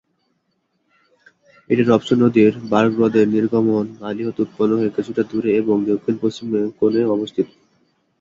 এটি রবসন নদীর বার্গ হ্রদের নির্গমন নালী হতে উৎপন্ন হয়ে কিছুটা দূরে এবং দক্ষিণ-পশ্চিমে কোনে অবস্থিত।